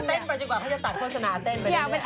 แป๊นไปสิวะเขาจะตัดโฆษณาเต้นไปด้วย